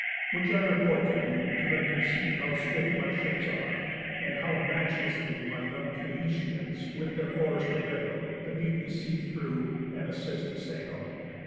Which I report to you, to let you see How swift my ships are, and how matchlessly My young Phæacians with their oars prevail, To beat the sea through, and assist a sail."